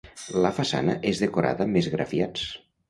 La façana és decorada amb esgrafiats.